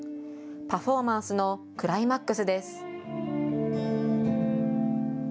パフォーマンスのクライマックスです。